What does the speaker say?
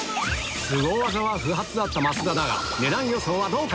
スゴ技は不発だった増田だが値段予想はどうか？